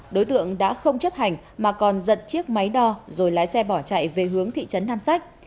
đối tượng đã không chấp hành mà còn giật chiếc máy đo rồi lái xe bỏ chạy về hướng thị trấn nam sách